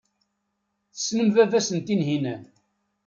Tessnem baba-s n Tunhinan.